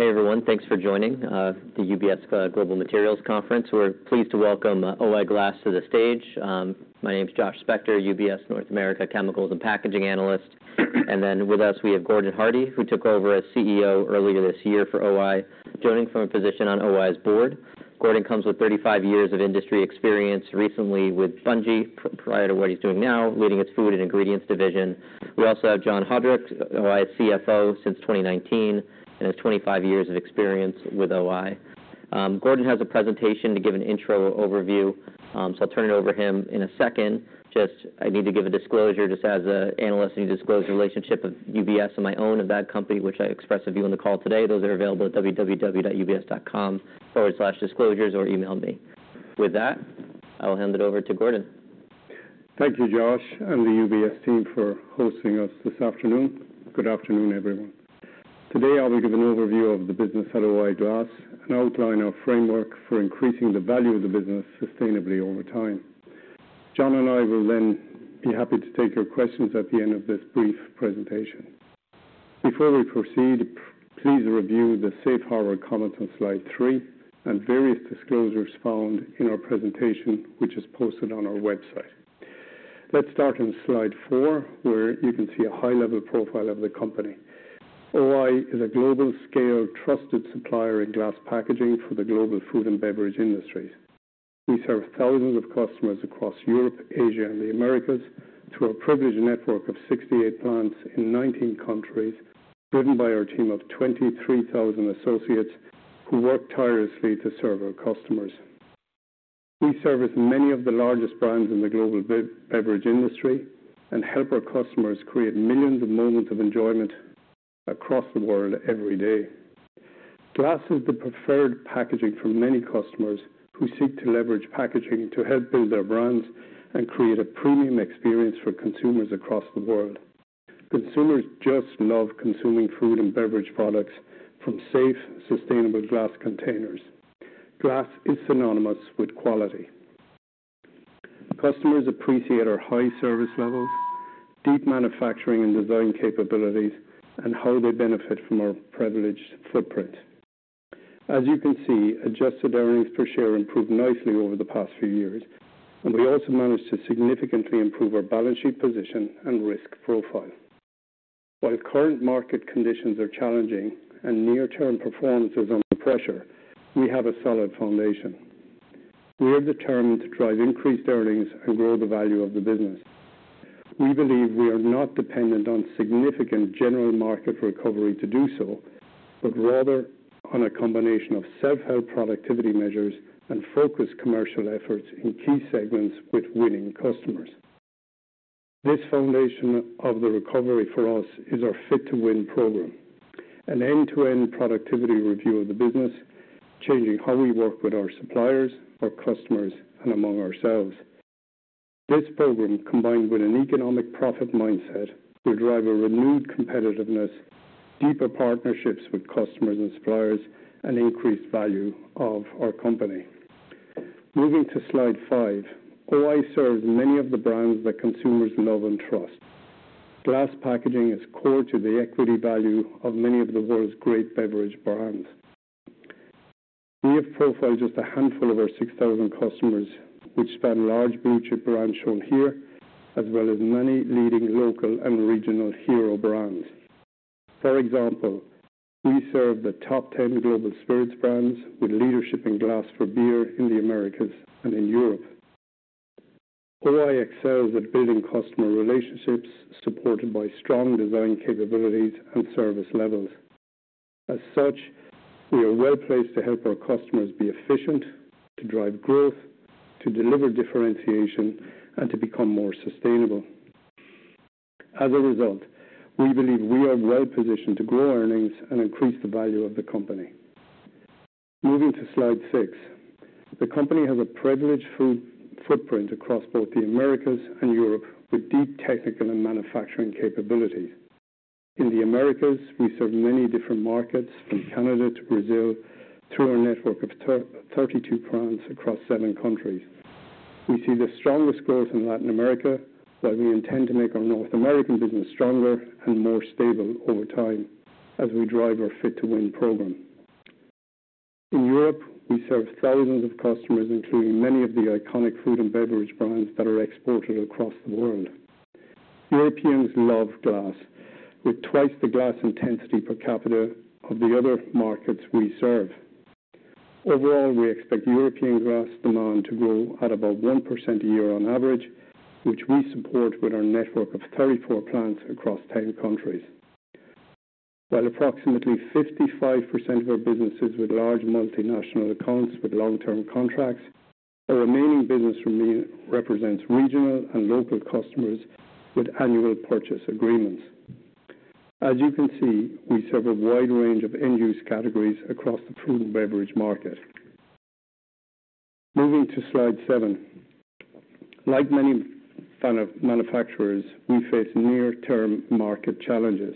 Hey, everyone. Thanks for joining the UBS global materials conference. We're pleased to welcome O-I Glass to the stage. My name is Josh Spector, UBS North America, Chemicals and Packaging Analyst. And then with us, we have Gordon Hardie, who took over as CEO earlier this year for O-I, joining from a position on O-I's board. Gordon comes with 35 years of industry experience, recently with Bunge, prior to what he's doing now, leading its Food and Ingredients Division. We also have John Haudrich, O-I's CFO since 2019, and has 25 years of experience with O-I. Gordon has a presentation to give an intro overview, so I'll turn it over to him in a second. Just, I need to give a disclosure, just as an analyst. I need to disclose the relationship of UBS and my own of that company, which I express with you on the call today. Those are available at www.ubs.com/disclosures, or email me. With that, I'll hand it over to Gordon. Thank you, Josh, and the UBS team for hosting us this afternoon. Good afternoon, everyone. Today, I will give an overview of the business at O-I Glass, and outline our framework for increasing the value of the business sustainably over time. John and I will then be happy to take your questions at the end of this brief presentation. Before we proceed, please review the safe harbor comment on slide three, and various disclosures found in our presentation, which is posted on our website. Let's start on slide four, where you can see a high-level profile of the company. O-I is a global-scale, trusted supplier in glass packaging for the global food and beverage industries. We serve thousands of customers across Europe, Asia, and the Americas, through a privileged network of 68 plants in 19 countries, driven by our team of 23,000 associates, who work tirelessly to serve our customers. We service many of the largest brands in the global beverage industry, and help our customers create millions of moments of enjoyment across the world every day. Glass is the preferred packaging for many customers, who seek to leverage packaging to help build their brands and create a premium experience for consumers across the world. Consumers just love consuming food and beverage products from safe, sustainable glass containers. Glass is synonymous with quality. Customers appreciate our high service levels, deep manufacturing and design capabilities, and how they benefit from our privileged footprint. As you can see, adjusted earnings per share improved nicely over the past few years, and we also managed to significantly improve our balance sheet position and risk profile. While current market conditions are challenging and near-term performance is under pressure, we have a solid foundation. We are determined to drive increased earnings and grow the value of the business. We believe we are not dependent on significant general market recovery to do so, but rather on a combination of self-help productivity measures and focused commercial efforts in key segments with winning customers. This foundation of the recovery for us is our Fit to Win program, an end-to-end productivity review of the business, changing how we work with our suppliers, our customers, and among ourselves. This program, combined with an economic profit mindset, will drive a renewed competitiveness, deeper partnerships with customers and suppliers, and increased value of our company. Moving to slide five. O-I serves many of the brands that consumers love and trust. Glass packaging is core to the equity value of many of the world's great beverage brands. We have profiled just a handful of our 6,000 customers, which span large blue-chip brands shown here, as well as many leading local and regional hero brands. For example, we serve the top 10 global spirits brands, with leadership in glass for beer in the Americas and in Europe. O-I excels at building customer relationships, supported by strong design capabilities and service levels. As such, we are well-placed to help our customers be efficient, to drive growth, to deliver differentiation, and to become more sustainable. As a result, we believe we are well positioned to grow earnings and increase the value of the company. Moving to slide six. The company has a privileged food footprint across both the Americas and Europe, with deep technical and manufacturing capabilities. In the Americas, we serve many different markets, from Canada to Brazil, through our network of 32 plants across seven countries. We see the strongest growth in Latin America, while we intend to make our North American business stronger and more stable over time as we drive our Fit to Win program. In Europe, we serve thousands of customers, including many of the iconic food and beverage brands that are exported across the world. Europeans love glass, with twice the glass intensity per capita of the other markets we serve. Overall, we expect European glass demand to grow at about 1% a year on average, which we support with our network of 34 plants across 10 countries. While approximately 55% of our business is with large multinational accounts with long-term contracts, our remaining business represents regional and local customers with annual purchase agreements. As you can see, we serve a wide range of end-use categories across the food and beverage market. Moving to slide 7. Like many manufacturers, we face near-term market challenges.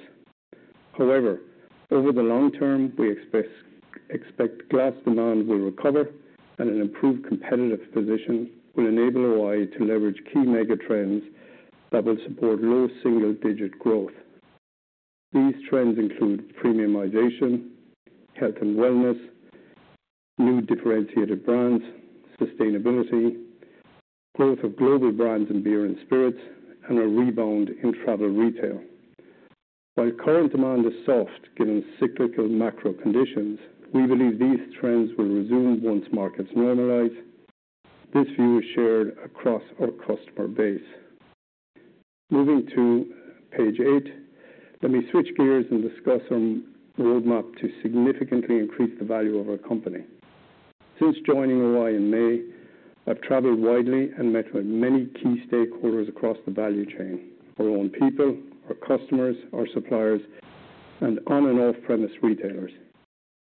However, over the long term, we expect glass demand will recover and an improved competitive position will enable O-I to leverage key mega trends that will support low single-digit growth. These trends include premiumization, health and wellness, new differentiated brands, sustainability, growth of global brands in beer and spirits, and a rebound in travel retail. While current demand is soft, given cyclical macro conditions, we believe these trends will resume once markets normalize. This view is shared across our customer base. Moving to page eight, let me switch gears and discuss on the roadmap to significantly increase the value of our company. Since joining O-I in May, I've traveled widely and met with many key stakeholders across the value chain, our own people, our customers, our suppliers, and on and off-premise retailers.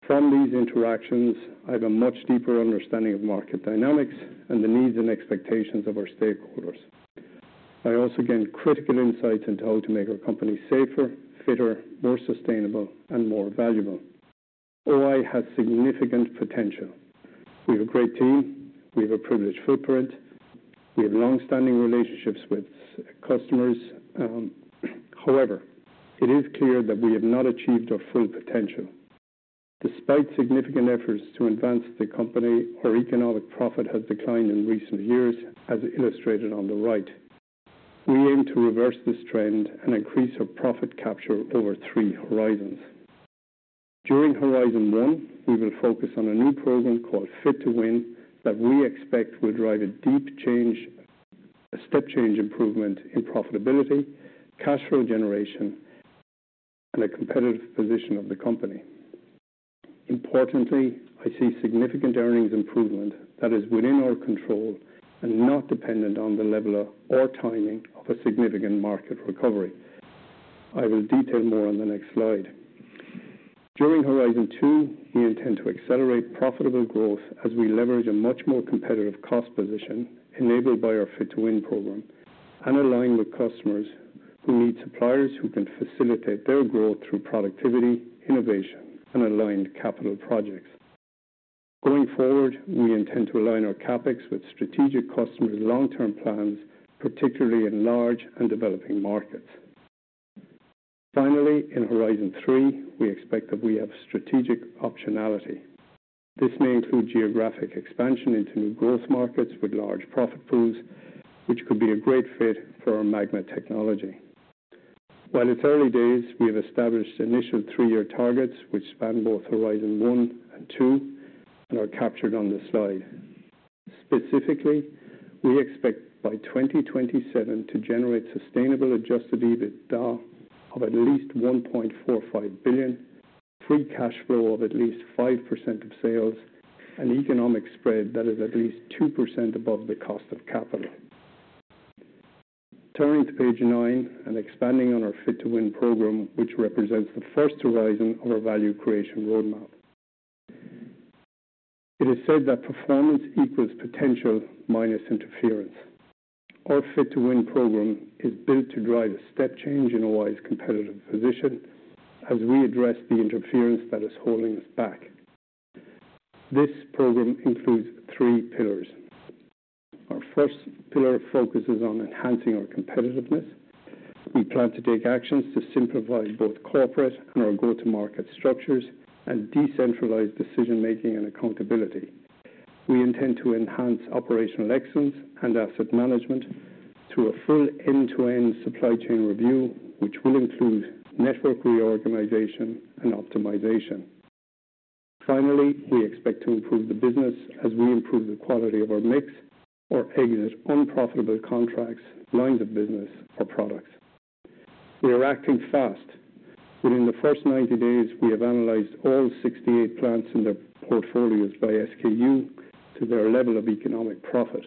From these interactions, I have a much deeper understanding of market dynamics and the needs and expectations of our stakeholders. I also gained critical insights into how to make our company safer, fitter, more sustainable, and more valuable. O-I has significant potential. We have a great team. We have a privileged footprint. We have long-standing relationships with customers. However, it is clear that we have not achieved our full potential. Despite significant efforts to advance the company, our economic profit has declined in recent years, as illustrated on the right. We aim to reverse this trend and increase our profit capture over three horizons. During horizon one, we will focus on a new program called Fit to Win, that we expect will drive a deep change, a step change improvement in profitability, cash flow generation, and the competitive position of the company. Importantly, I see significant earnings improvement that is within our control and not dependent on the level or timing of a significant market recovery. I will detail more on the next slide. During horizon two, we intend to accelerate profitable growth as we leverage a much more competitive cost position, enabled by our Fit to Win program, and align with customers who need suppliers who can facilitate their growth through productivity, innovation, and aligned capital projects. Going forward, we intend to align our CapEx with strategic customers' long-term plans, particularly in large and developing markets. Finally, in horizon three, we expect that we have strategic optionality. This may include geographic expansion into new growth markets with large profit pools, which could be a great fit for our MAGMA technology. While it's early days, we have established initial three-year targets, which span both horizon one and two and are captured on this slide. Specifically, we expect by 2027 to generate sustainable adjusted EBITDA of at least $1.45 billion, free cash flow of at least 5% of sales, an economic spread that is at least 2% above the cost of capital. Turning to page nine and expanding on our Fit to Win program, which represents the first horizon of our value creation roadmap. It is said that performance equals potential minus interference. Our Fit to Win program is built to drive a step change in O-I's competitive position as we address the interference that is holding us back. This program includes three pillars. Our first pillar focuses on enhancing our competitiveness. We plan to take actions to simplify both corporate and our go-to-market structures and decentralize decision-making and accountability. We intend to enhance operational excellence and asset management through a full end-to-end supply chain review, which will include network reorganization and optimization. Finally, we expect to improve the business as we improve the quality of our mix or exit unprofitable contracts, lines of business, or products. We are acting fast. Within the first 90 days, we have analyzed all 68 plants in their portfolios by SKU to their level of economic profit.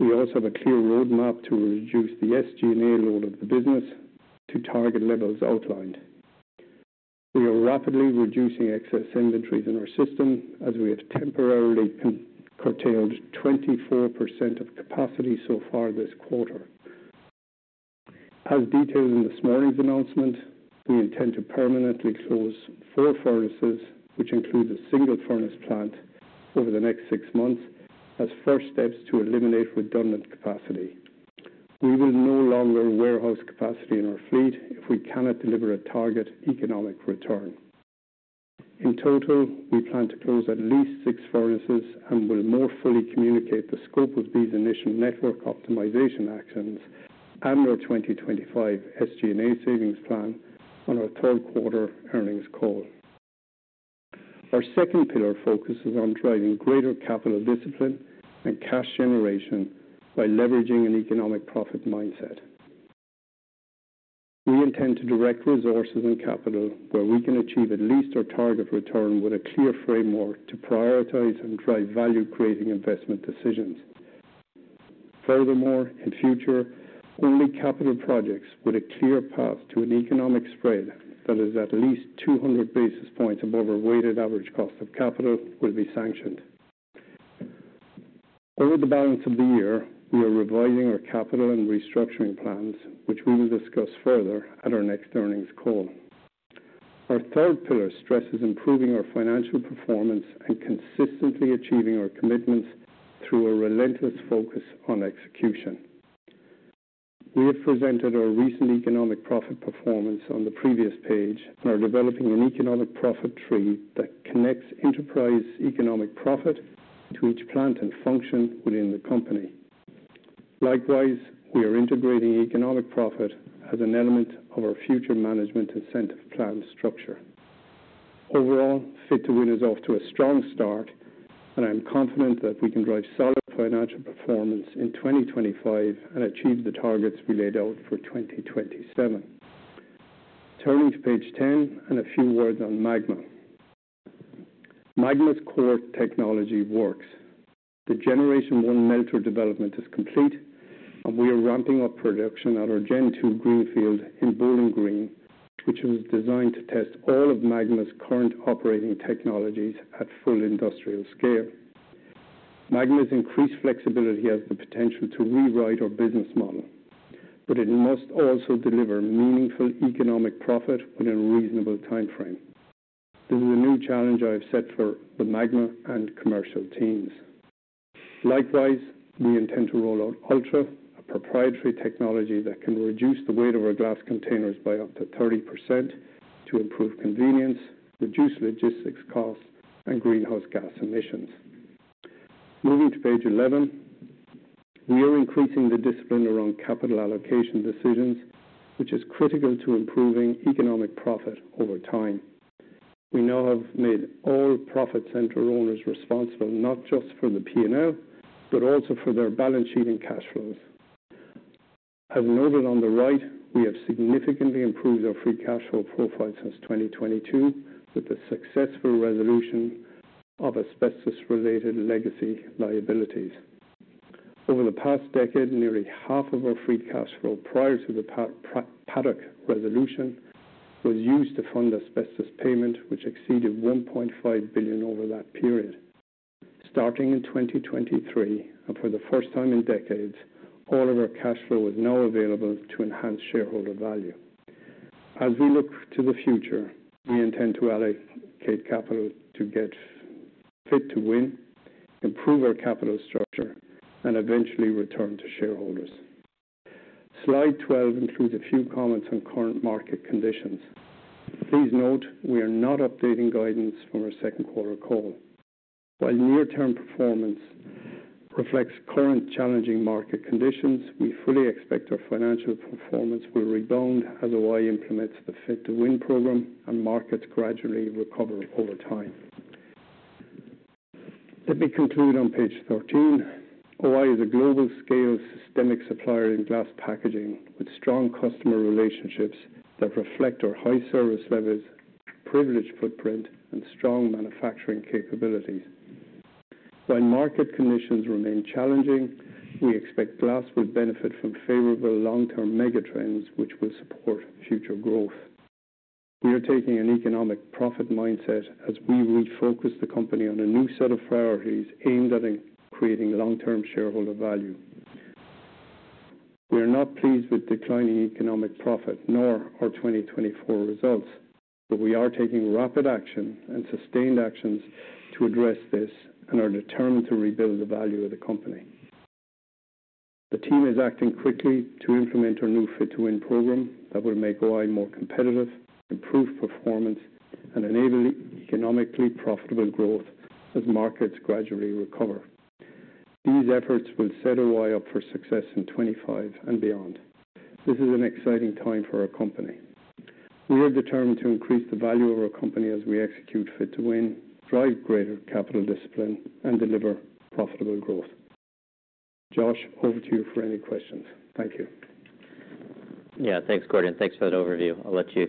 We also have a clear roadmap to reduce the SG&A load of the business to target levels outlined. We are rapidly reducing excess inventories in our system as we have temporarily curtailed 24% of capacity so far this quarter. As detailed in this morning's announcement, we intend to permanently close four furnaces, which includes a single furnace plant, over the next six months, as first steps to eliminate redundant capacity. We will no longer warehouse capacity in our fleet if we cannot deliver a target economic return. In total, we plan to close at least six furnaces and will more fully communicate the scope of these initial network optimization actions and our 2025 SG&A savings plan on our third quarter earnings call. Our second pillar focuses on driving greater capital discipline and cash generation by leveraging an economic profit mindset. We intend to direct resources and capital where we can achieve at least our target return with a clear framework to prioritize and drive value-creating investment decisions. Furthermore, in future, only capital projects with a clear path to an economic spread that is at least two hundred basis points above our weighted average cost of capital will be sanctioned. Over the balance of the year, we are revising our capital and restructuring plans, which we will discuss further at our next earnings call. Our third pillar stresses improving our financial performance and consistently achieving our commitments through a relentless focus on execution. We have presented our recent economic profit performance on the previous page, and are developing an economic profit tree that connects enterprise economic profit to each plant and function within the company. Likewise, we are integrating economic profit as an element of our future management incentive plan structure. Overall, Fit to Win is off to a strong start, and I'm confident that we can drive solid financial performance in 2025 and achieve the targets we laid out for 2027. Turning to page 10, and a few words on MAGMA. MAGMA's core technology works. The generation one melter development is complete, and we are ramping up production at our gen two greenfield in Bowling Green, which was designed to test all of MAGMA's current operating technologies at full industrial scale. MAGMA's increased flexibility has the potential to rewrite our business model, but it must also deliver meaningful economic profit within a reasonable timeframe. This is a new challenge I have set for the MAGMA and Commercial teams. Likewise, we intend to roll out Ultra, a proprietary technology that can reduce the weight of our glass containers by up to 30% to improve convenience, reduce logistics costs, and greenhouse gas emissions. Moving to page 11, we are increasing the discipline around capital allocation decisions, which is critical to improving economic profit over time. We now have made all profit center owners responsible, not just for the P&L, but also for their balance sheet and cash flows. As noted on the right, we have significantly improved our free cash flow profile since 2022, with the successful resolution of asbestos-related legacy liabilities. Over the past decade, nearly half of our free cash flow prior to the Paddock resolution was used to fund asbestos payment, which exceeded $1.5 billion over that period. Starting in 2023, and for the first time in decades, all of our cash flow is now available to enhance shareholder value. As we look to the future, we intend to allocate capital to get Fit to Win, improve our capital structure, and eventually return to shareholders. Slide 12 includes a few comments on current market conditions. Please note, we are not updating guidance from our second quarter call. While near-term performance reflects current challenging market conditions, we fully expect our financial performance will rebound as O-I implements the Fit to Win program and markets gradually recover over time. Let me conclude on page 13. O-I is a global-scale, systemic supplier in glass packaging, with strong customer relationships that reflect our high service levels, privileged footprint, and strong manufacturing capabilities. While market conditions remain challenging, we expect glass will benefit from favorable long-term mega trends, which will support future growth. We are taking an economic profit mindset as we refocus the company on a new set of priorities aimed at increasing long-term shareholder value. We are not pleased with declining economic profit, nor our 2024 results, but we are taking rapid action and sustained actions to address this, and are determined to rebuild the value of the company. The team is acting quickly to implement our new Fit to Win program that will make O-I more competitive, improve performance, and enable economically profitable growth as markets gradually recover. These efforts will set O-I up for success in 2025 and beyond. This is an exciting time for our company. We are determined to increase the value of our company as we execute Fit to Win, drive greater capital discipline, and deliver profitable growth. Josh, over to you for any questions. Thank you. Yeah. Thanks, Gordon. Thanks for that overview. I'll let you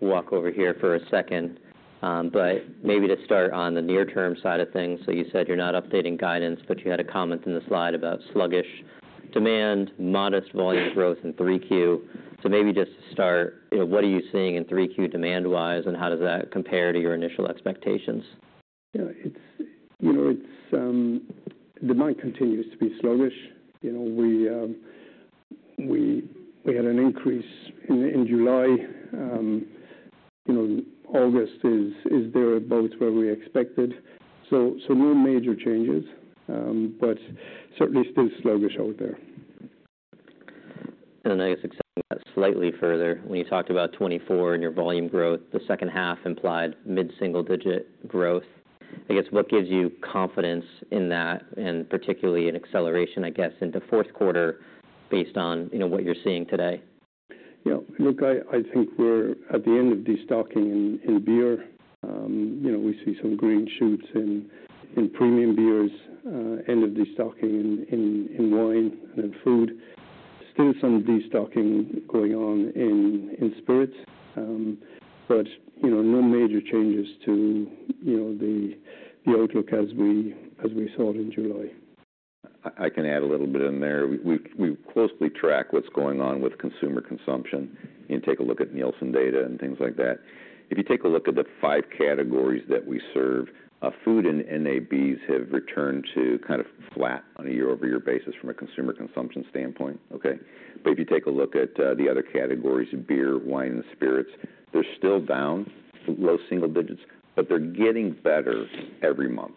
come walk over here for a second. But maybe to start on the near-term side of things, so you said you're not updating guidance, but you had a comment in the slide about sluggish demand, modest volume growth in 3Q. So maybe just to start, you know, what are you seeing in 3Q demand-wise, and how does that compare to your initial expectations? Yeah, it's, you know, demand continues to be sluggish. You know, we had an increase in July. You know, August is there about where we expected. So no major changes, but certainly still sluggish out there. And then I guess extending that slightly further, when you talked about 2024 and your volume growth, the second half implied mid-single-digit growth. I guess, what gives you confidence in that, and particularly in acceleration, I guess, in the fourth quarter, based on, you know, what you're seeing today? Yeah, look, I think we're at the end of destocking in beer. You know, we see some green shoots in premium beers, end of destocking in wine and food. Still some destocking going on in spirits, but you know, no major changes to the outlook as we saw it in July. ... I can add a little bit in there. We closely track what's going on with consumer consumption, and take a look at Nielsen data and things like that. If you take a look at the five categories that we serve, food and NABs have returned to kind of flat on a year-over-year basis from a consumer consumption standpoint, okay? But if you take a look at the other categories, beer, wine, and spirits, they're still down low single digits, but they're getting better every month,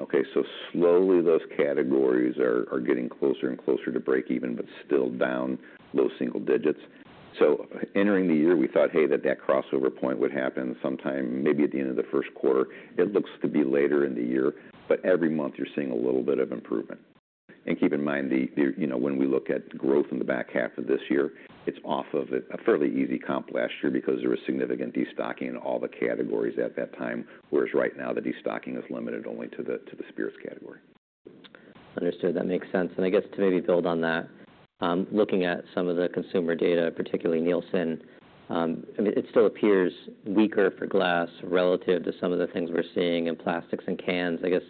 okay? So slowly, those categories are getting closer and closer to break even, but still down low single digits. So entering the year, we thought, hey, that crossover point would happen sometime, maybe at the end of the first quarter. It looks to be later in the year, but every month you're seeing a little bit of improvement, and keep in mind, you know, when we look at growth in the back half of this year, it's off of a fairly easy comp last year because there was significant destocking in all the categories at that time, whereas right now, the destocking is limited only to the spirits category. Understood, that makes sense. And I guess to maybe build on that, looking at some of the consumer data, particularly Nielsen, I mean, it still appears weaker for glass relative to some of the things we're seeing in plastics and cans. I guess,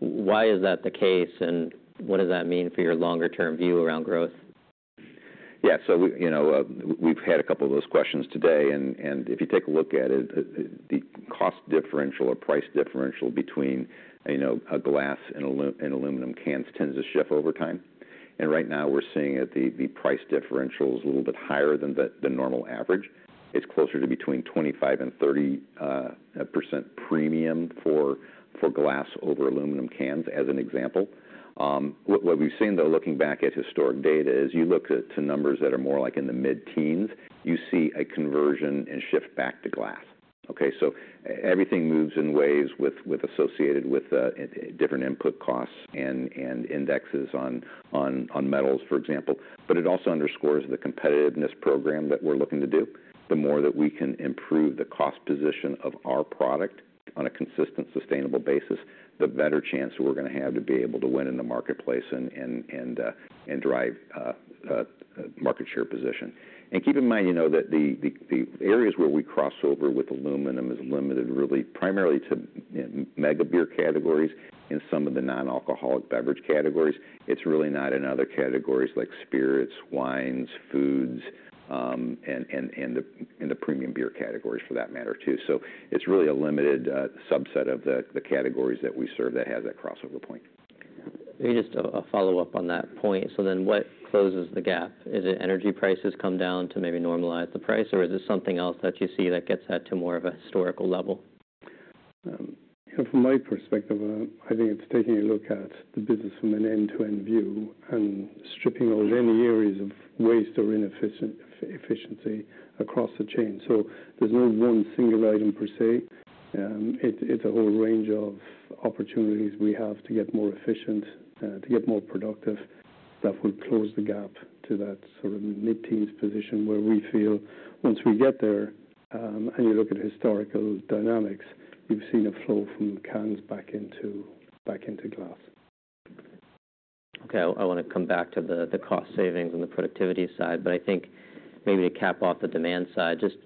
why is that the case, and what does that mean for your longer term view around growth? Yeah. So we, you know, we've had a couple of those questions today, and if you take a look at it, the cost differential or price differential between, you know, a glass and aluminum cans tends to shift over time. And right now, we're seeing that the price differential is a little bit higher than the normal average. It's closer to between 25% and 30% premium for glass over aluminum cans, as an example. What we've seen, though, looking back at historic data, is you look at two numbers that are more like in the mid-teens, you see a conversion and shift back to glass. Okay, so everything moves in ways associated with different input costs and indexes on metals, for example. But it also underscores the competitiveness program that we're looking to do. The more that we can improve the cost position of our product on a consistent, sustainable basis, the better chance we're gonna have to be able to win in the marketplace and drive market share position. And keep in mind, you know, that the areas where we cross over with aluminum is limited, really, primarily to mega beer categories and some of the non-alcoholic beverage categories. It's really not in other categories like spirits, wines, foods, and the premium beer categories for that matter, too. So it's really a limited subset of the categories that we serve that have that crossover point. Maybe just a follow-up on that point. So then what closes the gap? Is it energy prices come down to maybe normalize the price, or is there something else that you see that gets that to more of a historical level? From my perspective, I think it's taking a look at the business from an end-to-end view and stripping out any areas of waste or inefficiency across the chain. So there's no one single item per se, it's a whole range of opportunities we have to get more efficient, to get more productive, that would close the gap to that sort of mid-teens position, where we feel once we get there, and you look at historical dynamics, you've seen a flow from cans back into glass. Okay, I wanna come back to the cost savings and the productivity side, but I think maybe to cap off the demand side, just...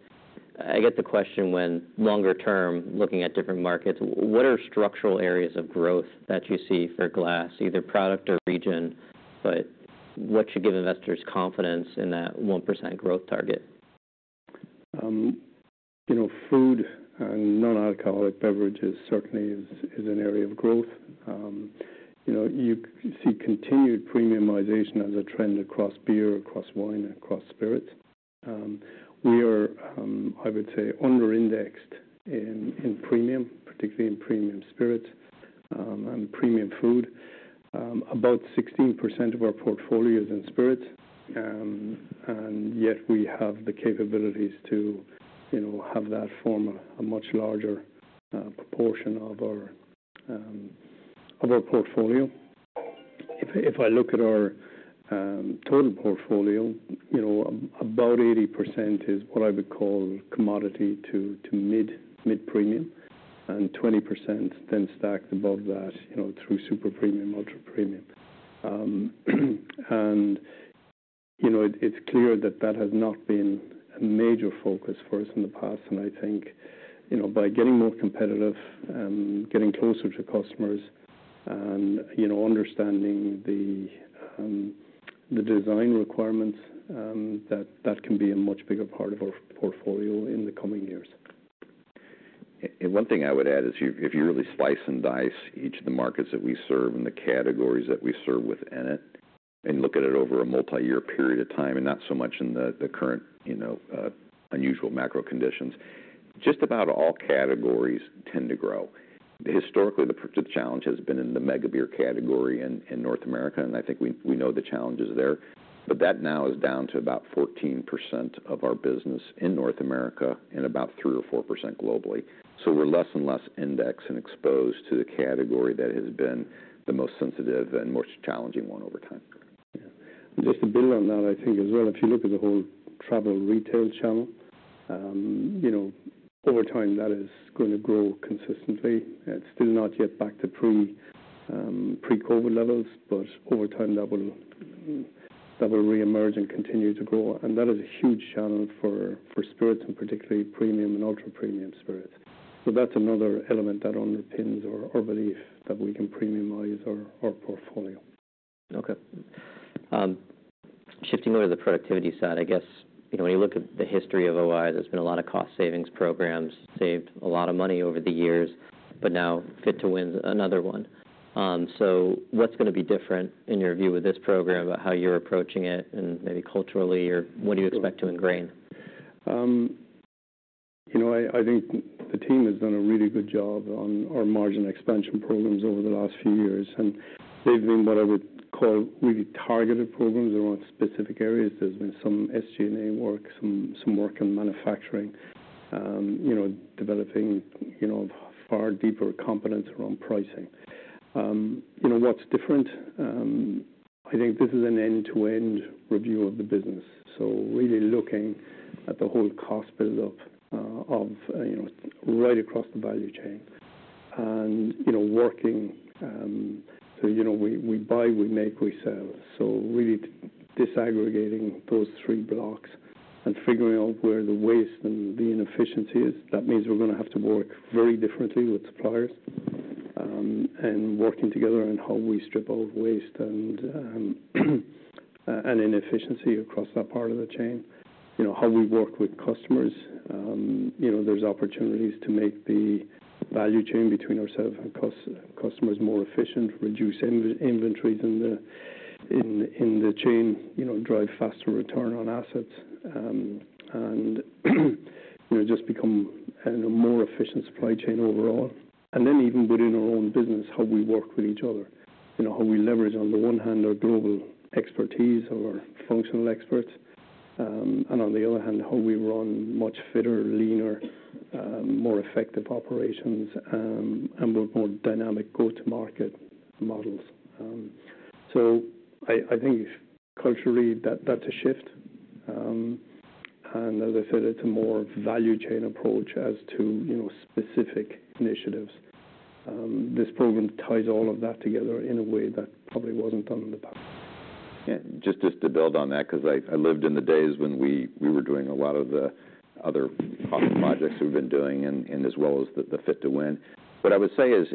I get the question when, longer term, looking at different markets, what are structural areas of growth that you see for glass, either product or region, but what should give investors confidence in that 1% growth target? You know, food and non-alcoholic beverages certainly is an area of growth. You know, you see continued premiumization as a trend across beer, across wine, across spirits. We are, I would say, under-indexed in premium, particularly in premium spirits, and premium food. About 16% of our portfolio is in spirits, and yet we have the capabilities to, you know, have that form a much larger proportion of our portfolio. If I look at our total portfolio, you know, about 80% is what I would call commodity to mid-premium, and 20% then stacks above that, you know, through super premium, ultra premium. And, you know, it is clear that that has not been a major focus for us in the past. And I think, you know, by getting more competitive and getting closer to customers and, you know, understanding the design requirements, that can be a much bigger part of our portfolio in the coming years. And one thing I would add is, if you really slice and dice each of the markets that we serve and the categories that we serve within it, and look at it over a multi-year period of time, and not so much in the current, you know, unusual macro conditions, just about all categories tend to grow. Historically, the challenge has been in the mega beer category in North America, and I think we know the challenges there. But that now is down to about 14% of our business in North America and about 3% or 4% globally. So we're less and less indexed and exposed to the category that has been the most sensitive and most challenging one over time. Just to build on that, I think as well, if you look at the whole travel retail channel, you know, over time, that is gonna grow consistently. It's still not yet back to pre, pre-COVID levels, but over time, that will reemerge and continue to grow. And that is a huge channel for spirits and particularly premium and ultra-premium spirits... So that's another element that underpins our belief that we can premiumize our portfolio. Okay. Shifting over to the productivity side, I guess, you know, when you look at the history of O-I, there's been a lot of cost savings programs, saved a lot of money over the years, but now Fit to Win's another one, so what's gonna be different, in your view, with this program about how you're approaching it and maybe culturally, or what do you expect to ingrain? You know, I think the team has done a really good job on our margin expansion programs over the last few years, and they've been what I would call really targeted programs around specific areas. There's been some SG&A work, some work in manufacturing, you know, developing, you know, far deeper competence around pricing. You know, what's different? I think this is an end-to-end review of the business, so really looking at the whole cost build-up of, you know, right across the value chain, and, you know, working so, you know, we buy, we make, we sell, so really disaggregating those three blocks and figuring out where the waste and the inefficiency is. That means we're gonna have to work very differently with suppliers, and working together on how we strip out waste and inefficiency across that part of the chain. You know, how we work with customers, you know, there's opportunities to make the value chain between ourselves and customers more efficient, reduce inventory in the chain, you know, drive faster return on assets, and, you know, just become a more efficient supply chain overall. And then even within our own business, how we work with each other. You know, how we leverage, on the one hand, our global expertise or functional experts, and on the other hand, how we run much fitter, leaner, more effective operations, and with more dynamic go-to-market models. So I think culturally, that's a shift. And as I said, it's a more value chain approach as to, you know, specific initiatives. This program ties all of that together in a way that probably wasn't done in the past. Yeah, just to build on that, 'cause I lived in the days when we were doing a lot of the other cost projects we've been doing and as well as the Fit to Win. What I would say is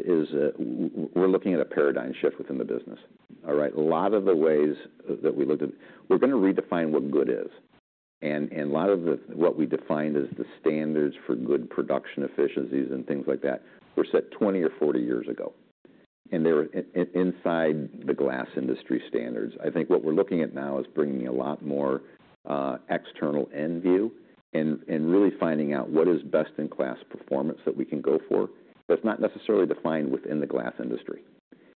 we're looking at a paradigm shift within the business. All right? A lot of the ways that we looked at. We're gonna redefine what good is. And a lot of the what we defined as the standards for good production efficiencies and things like that were set 20 or 40 years ago, and they're inside the glass industry standards. I think what we're looking at now is bringing a lot more external end view and really finding out what is best-in-class performance that we can go for, that's not necessarily defined within the glass industry.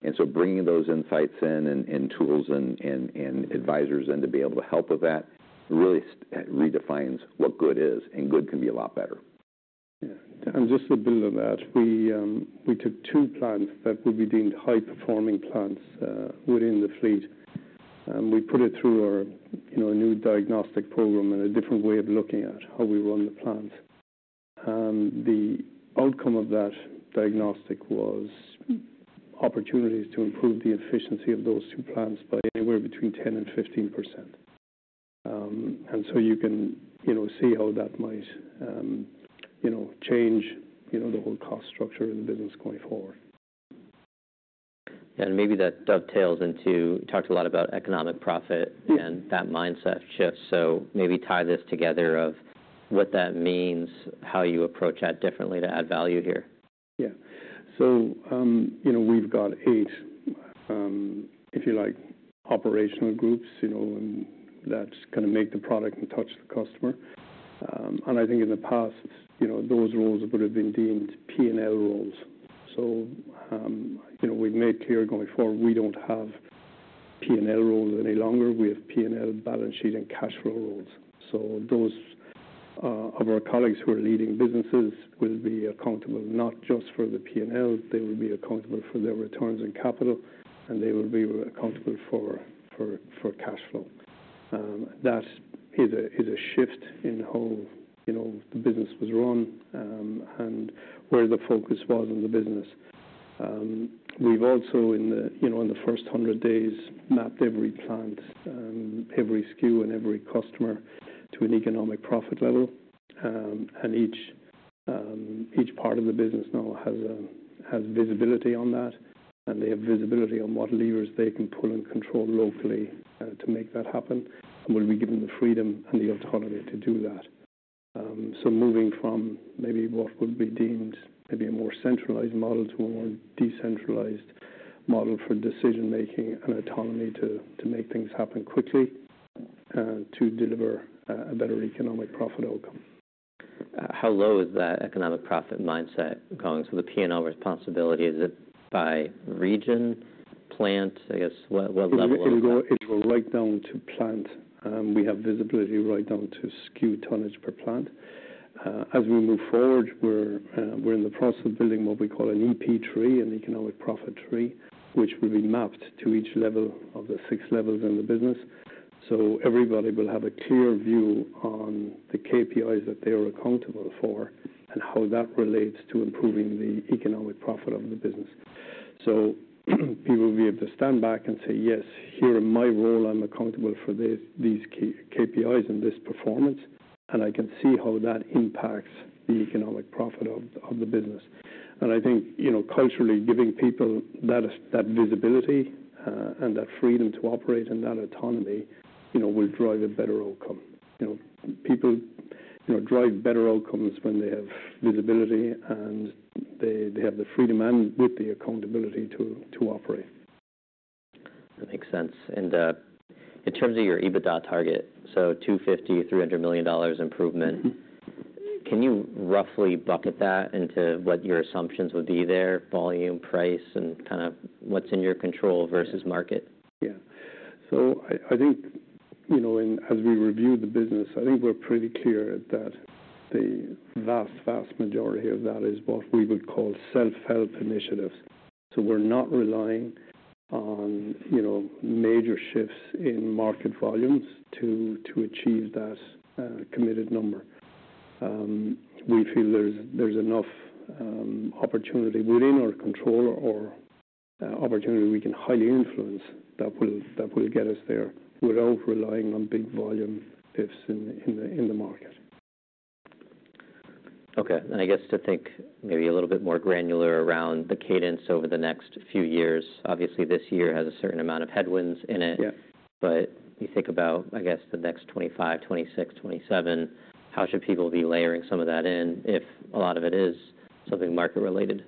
And so bringing those insights in, and tools and advisors in to be able to help with that, really redefines what good is, and good can be a lot better. Yeah. And just to build on that, we, we took two plants that would be deemed high-performing plants within the fleet, and we put it through our, you know, new diagnostic program and a different way of looking at how we run the plant. The outcome of that diagnostic was opportunities to improve the efficiency of those two plants by anywhere between 10% and 15%. And so you can, you know, see how that might, you know, change, you know, the whole cost structure in the business going forward. And maybe that dovetails into, you talked a lot about economic profit- Yeah... and that mindset shift. So maybe tie this together of what that means, how you approach that differently to add value here. Yeah. So, you know, we've got eight, if you like, operational groups, you know, and that's gonna make the product and touch the customer. And I think in the past, you know, those roles would have been deemed P&L roles. So, you know, we've made clear going forward, we don't have P&L roles any longer. We have P&L balance sheet and cash flow roles. So those of our colleagues who are leading businesses will be accountable, not just for the P&L, they will be accountable for their returns on capital, and they will be accountable for cash flow. That is a shift in how, you know, the business was run, and where the focus was in the business. We've also in the, you know, in the first 100 days, mapped every plant, every SKU and every customer to an economic profit level, and each part of the business now has visibility on that, and they have visibility on what levers they can pull and control locally to make that happen, and will be given the freedom and the autonomy to do that, so moving from maybe what would be deemed maybe a more centralized model to a more decentralized model for decision-making and autonomy to make things happen quickly to deliver a better economic profit outcome. How low is that economic profit mindset going? So the P&L responsibility, is it by region, plant? I guess what level? It will go right down to plant. We have visibility right down to SKU tonnage per plant. As we move forward, we're in the process of building what we call an EP tree, an economic profit tree, which will be mapped to each level of the six levels in the business. So everybody will have a clear view on the KPIs that they are accountable for, and how that relates to improving the economic profit of the business. So people will be able to stand back and say, "Yes, here in my role, I'm accountable for these key KPIs and this performance, and I can see how that impacts the economic profit of the business." And I think, you know, culturally, giving people that visibility and that freedom to operate and that autonomy, you know, will drive a better outcome. You know, people, you know, drive better outcomes when they have visibility and they have the freedom and with the accountability to operate. That makes sense. And, in terms of your EBITDA target, so $250 million-$300 million improvement. Mm-hmm. Can you roughly bucket that into what your assumptions would be there, volume, price, and kind of what's in your control versus market? Yeah. So I think, you know, and as we review the business, I think we're pretty clear that the vast, vast majority of that is what we would call self-help initiatives. So we're not relying on, you know, major shifts in market volumes to achieve that committed number. We feel there's enough opportunity within our control or opportunity we can highly influence that will get us there without relying on big volume lifts in the market. Okay, and I guess to think maybe a little bit more granular around the cadence over the next few years. Obviously, this year has a certain amount of headwinds in it. Yeah. but you think about, I guess, the next 2025, 2026, 2027, how should people be layering some of that in if a lot of it is something market related?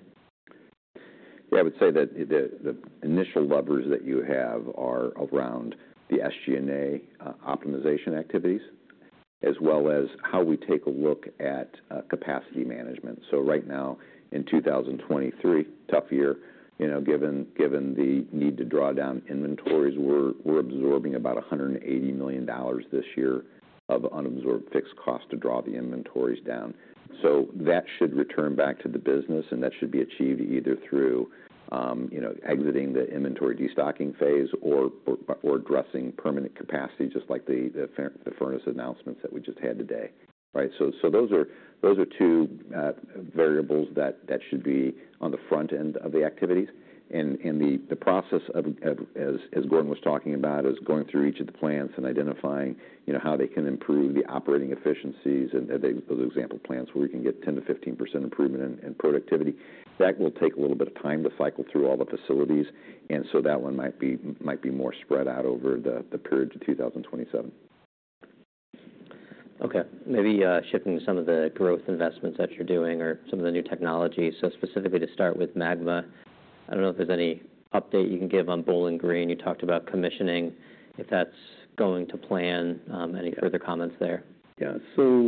Yeah, I would say that the initial levers that you have are around the SG&A optimization activities, as well as how we take a look at capacity management. So right now, in 2023, tough year, you know, given the need to draw down inventories, we're absorbing about $180 million this year of unabsorbed fixed cost to draw the inventories down. So that should return back to the business, and that should be achieved either through, you know, exiting the inventory destocking phase or addressing permanent capacity, just like the furnace announcements that we just had today, right? So those are two variables that should be on the front end of the activities. The process of, as Gordon was talking about, is going through each of the plants and identifying, you know, how they can improve the operating efficiencies and those example plants where we can get 10%-15% improvement in productivity. That will take a little bit of time to cycle through all the facilities, and so that one might be more spread out over the period to 2027. Okay. Maybe, shifting to some of the growth investments that you're doing or some of the new technologies. So specifically to start with MAGMA, I don't know if there's any update you can give on Bowling Green. You talked about commissioning, if that's going to plan, any further comments there? Yeah. So,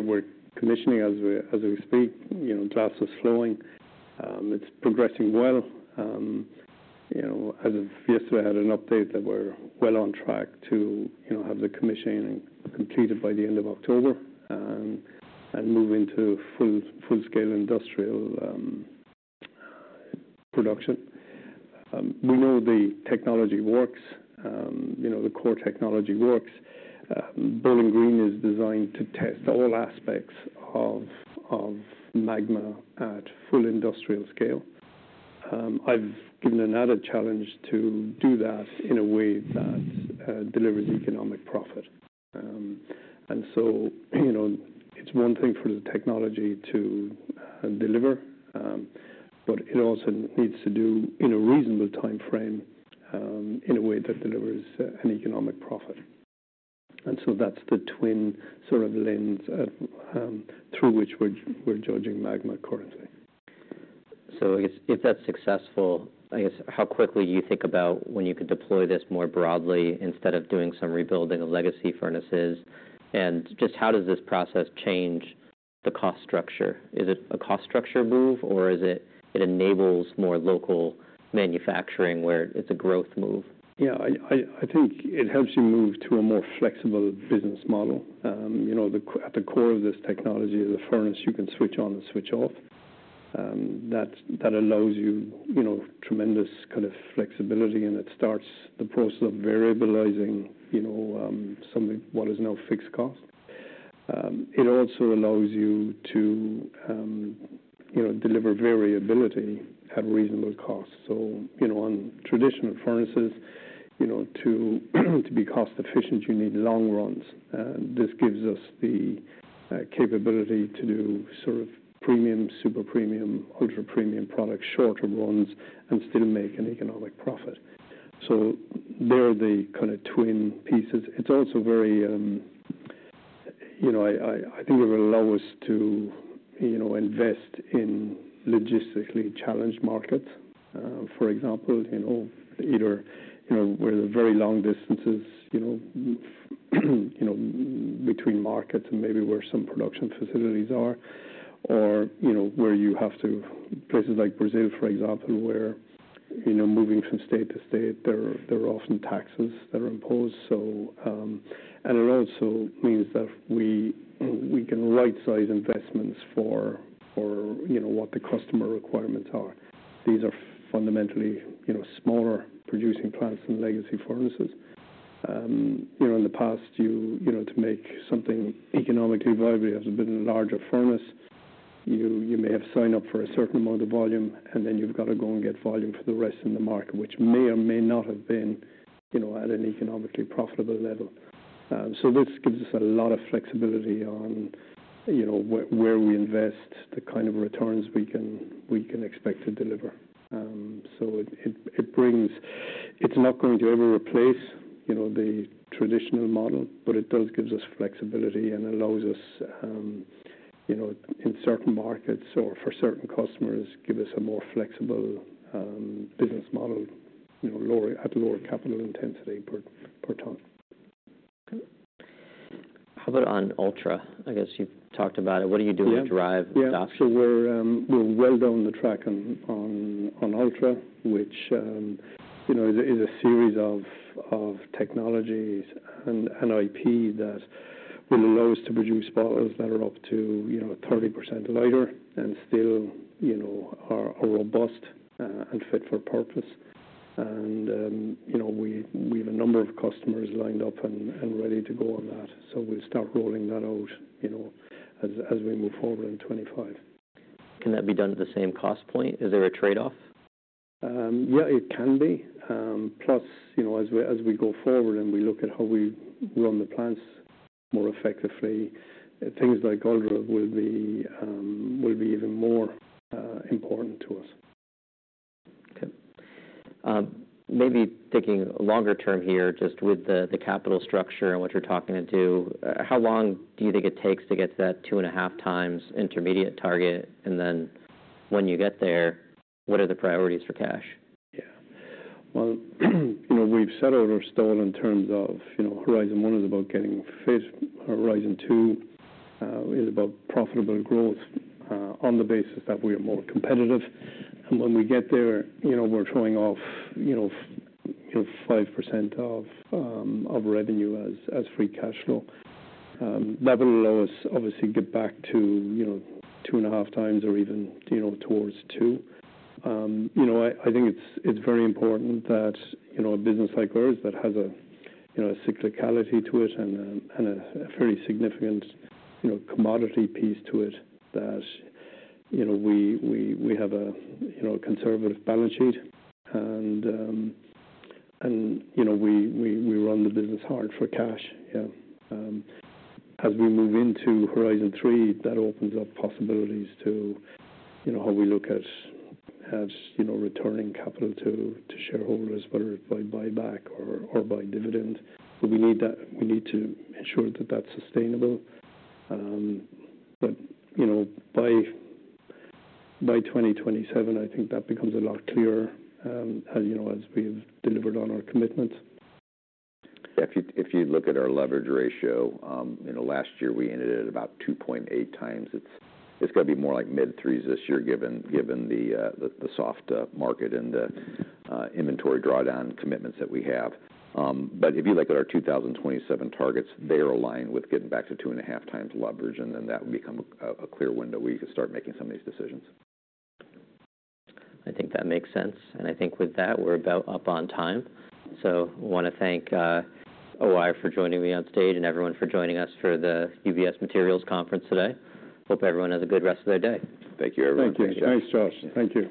we're commissioning as we speak. You know, glass is flowing. It's progressing well. You know, as of yesterday, I had an update that we're well on track to, you know, have the commissioning completed by the end of October, and move into full-scale industrial production. We know the technology works. You know, the core technology works. Bowling Green is designed to test all aspects of MAGMA at full industrial scale. I've given another challenge to do that in a way that delivers economic profit, and so, you know, it's one thing for the technology to deliver, but it also needs to do in a reasonable timeframe, in a way that delivers an economic profit. And so that's the twin sort of lens through which we're judging MAGMA currently. So I guess if that's successful, I guess, how quickly do you think about when you could deploy this more broadly instead of doing some rebuilding of legacy furnaces? And just how does this process change the cost structure? Is it a cost structure move, or is it, it enables more local manufacturing where it's a growth move? Yeah, I think it helps you move to a more flexible business model. You know, at the core of this technology is a furnace you can switch on and switch off. That allows you, you know, tremendous kind of flexibility, and it starts the process of variabilizing, you know, something what is now fixed cost. It also allows you to, you know, deliver variability at reasonable cost. So, you know, on traditional furnaces, you know, to be cost efficient, you need long runs. And this gives us the capability to do sort of premium, super premium, ultra-premium products, shorter runs, and still make an economic profit. So they're the kind of twin pieces. It's also very. You know, I think it will allow us to, you know, invest in logistically challenged markets. For example, you know, either, you know, where the very long distances, you know, between markets and maybe where some production facilities are, or, you know, where you have to... Places like Brazil, for example, where, you know, moving from state to state, there are often taxes that are imposed. So, and it also means that we can rightsize investments for, you know, what the customer requirements are. These are fundamentally, you know, smaller producing plants than legacy furnaces. In the past, you know, to make something economically viable, you have to build a larger furnace. You may have signed up for a certain amount of volume, and then you've got to go and get volume for the rest in the market, which may or may not have been, you know, at an economically profitable level. So this gives us a lot of flexibility on, you know, where we invest, the kind of returns we can expect to deliver. So it brings. It's not going to ever replace, you know, the traditional model, but it does gives us flexibility and allows us, you know, in certain markets or for certain customers, give us a more flexible business model, you know, at lower capital intensity per ton. How about on Ultra? I guess you've talked about it. What are you doing to drive that? Yeah. So we're well down the track on Ultra, which, you know, is a series of technologies and IP that will allow us to produce bottles that are up to, you know, 30% lighter and still, you know, are robust and fit for purpose. And, you know, we have a number of customers lined up and ready to go on that, so we'll start rolling that out, you know, as we move forward in 2025. Can that be done at the same cost point? Is there a trade-off? Yeah, it can be. Plus, you know, as we go forward and we look at how we run the plants more effectively, things like Ultra will be even more important to us. Okay. Maybe thinking longer term here, just with the capital structure and what you're talking to do, how long do you think it takes to get to that 2.5x intermediate target? And then when you get there, what are the priorities for cash? Yeah. Well, you know, we've set out our stall in terms of, you know, horizon one is about getting fit, horizon two is about profitable growth on the basis that we are more competitive. And when we get there, you know, we're showing off, you know, 5% of revenue as free cash flow. That will allow us, obviously, get back to, you know, 2.5x or even, you know, towards two. You know, I think it's very important that, you know, a business like ours that has a cyclicality to it and a very significant commodity piece to it, that, you know, we have a conservative balance sheet, and, you know, we run the business hard for cash. Yeah. As we move into horizon three, that opens up possibilities to, you know, how we look at returning capital to shareholders, whether it's by buyback or by dividend, but we need to ensure that that's sustainable. You know, by 2027, I think that becomes a lot clearer, as you know, as we've delivered on our commitments. If you look at our leverage ratio, you know, last year, we ended at about 2.8x. It's gonna be more like mid-threes this year, given the soft market and the inventory drawdown commitments that we have. But if you look at our 2027 targets, they are aligned with getting back to 2.5x leverage, and then that will become a clear window where you can start making some of these decisions. I think that makes sense. And I think with that, we're about up on time. So I wanna thank O-I for joining me on stage, and everyone for joining us for the UBS materials conference today. Hope everyone has a good rest of their day. Thank you, everyone. Thank you. Thanks, Josh. Thank you.